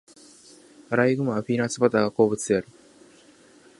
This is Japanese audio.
アライグマはピーナッツバターが好物である。